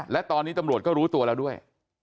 และตอนนี้ตำรวจก็รู้ตัวแล้วด้วย